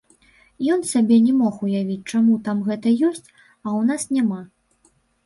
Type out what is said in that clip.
Ён сабе не мог уявіць, чаму там гэта ёсць, а ў нас няма.